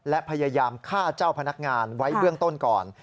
และพยายามฆ่าเจ้าพนักงานไว้เบื้องต้นก่อน